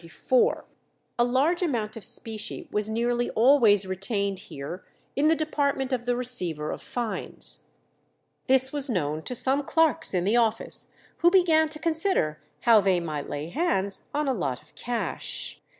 A large amount of specie was nearly always retained here in the department of the Receiver of Fines. This was known to some clerks in the office, who began to consider how they might lay hands on a lot of cash.